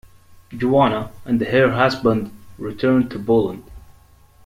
Joanna and her husband returned to Poland.